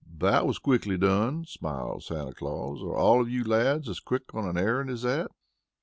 "That was quickly done," smiled Santa Claus. "Are all of you lads as quick on an errand as that?"